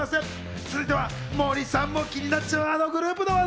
続いては森さんも気になっちゃう、あのグループの話題。